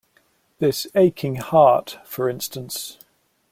This aching heart, for instance.